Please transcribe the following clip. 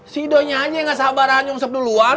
si ido nya aja yang nggak sabaran nyungsap duluan